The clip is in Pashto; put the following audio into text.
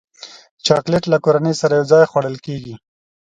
چاکلېټ له کورنۍ سره یوځای خوړل کېږي.